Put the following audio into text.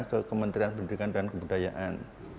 ke kementerian pendidikan dan kebudayaan